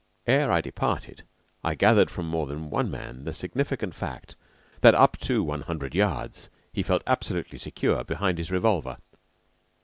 Ere I departed I gathered from more than one man the significant fact that up to one hundred yards he felt absolutely secure behind his revolver.